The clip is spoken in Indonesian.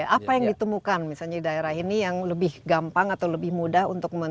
apa yang ditemukan misalnya di daerah ini yang lebih gampang atau lebih mudah untuk mencari